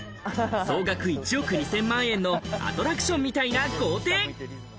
総額１億２０００万円のアトラクションみたいな豪邸。